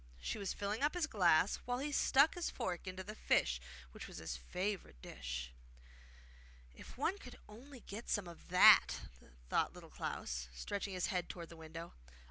She was filling up his glass, while he stuck his fork into the fish which was his favourite dish. 'If one could only get some of that!' thought Little Klaus, stretching his head towards the window.